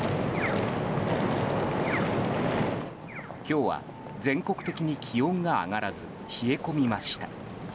今日は全国的に気温が上がらず冷え込みました。